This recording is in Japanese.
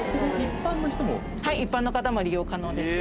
一般の方も利用可能です。